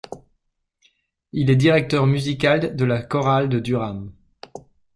Il est directeur musical de la chorale de Durham.